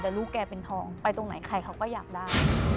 แต่ลูกแกเป็นทองไปตรงไหนใครเขาก็อยากได้